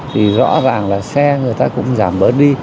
thì rõ ràng là xe người ta cũng giảm bớt đi